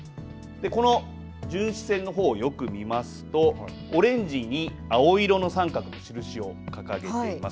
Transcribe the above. この巡視船の方をよく見ますとオレンジに青色の三角の印を掲げています。